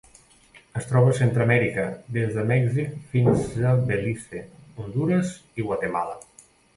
Es troba a Centreamèrica: des de Mèxic fins a Belize, Hondures i Guatemala.